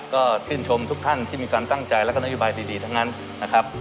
ก็ชื่นชมทุกท่านที่มีความตั้งใจแล้วก็นโยบายดีทั้งนั้นนะครับ